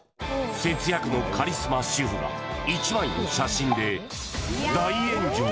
節約のカリスマ主婦が１枚の写真で大炎上。